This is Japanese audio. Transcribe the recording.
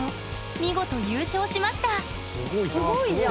見事優勝しましたすごいじゃん。